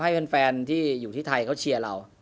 ให้แฟนที่อยู่ที่ไทยเขาเชียร์เรา